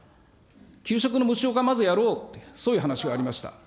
給食の無償化まずやろう、そういう話がありました。